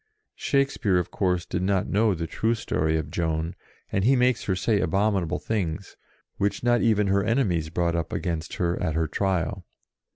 Shake speare, of course, did not know the true story of Joan, and he makes her say abominable things, which not even her enemies brought up against her at her Trial.